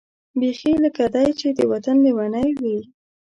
بېخي لکه دای چې د وطن لېونۍ وي.